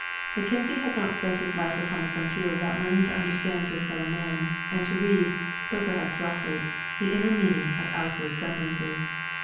Mackenzie had not spent his life upon the frontier without learning to understand his fellow man, and to read, though perhaps roughly, the inner meaning of outward semblances.